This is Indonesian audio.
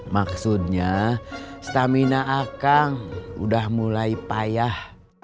maksudnya stamina akang udah mulai payah